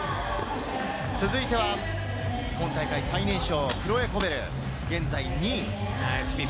続いては今大会最年少、クロエ・コベル、現在２位。